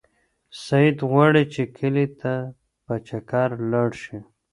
سعید غواړي چې کلي ته په چکر لاړ شي.